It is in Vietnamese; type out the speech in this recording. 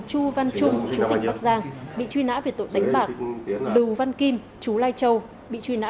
chu văn trung chú tỉnh bắc giang bị truy nã về tội đánh bạc đù văn kim chú lai châu bị truy nã